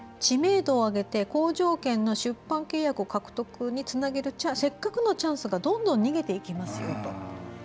知名度を上げて好条件の出版契約獲得につなげるせっかくのチャンスがどんどん逃げていきますよと。